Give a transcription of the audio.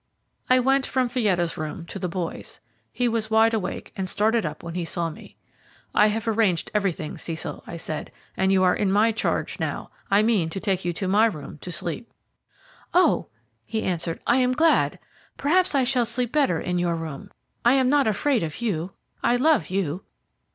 I went from Fietta's room to the boy's. He was wide awake and started up when he saw me. "I have arranged everything, Cecil," I said, "and you are my charge now. I mean to take you to my room to sleep." "Oh," he answered, "I am glad. Perhaps I shall sleep better in your room. I am not afraid of you I love you."